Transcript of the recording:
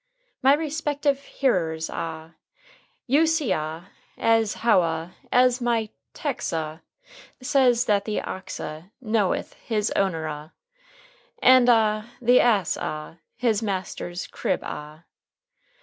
"My respective hearers ah, you see ah as how ah as my tex' ah says that the ox ah knoweth his owner ah, and ah the ass ah his master's crib ah.